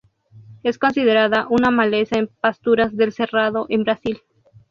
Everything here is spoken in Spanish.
Es considerada una maleza en pasturas del Cerrado en Brasil.